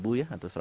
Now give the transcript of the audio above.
kita lihat di sini